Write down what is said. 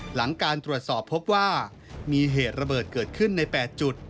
หลังการตรวจสอบพบว่ามีเหตุระเบิดเกิดขึ้นใน๘จุด